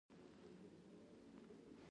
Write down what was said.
مبارزه او هڅه د ژوند د پرمختګ لپاره اړینه ده.